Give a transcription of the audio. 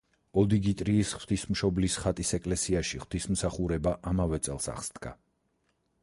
ოდიგიტრიის ღვთისმშობლის ხატის ეკლესიაში ღვთისმსახურება ამავე წელს აღსდგა.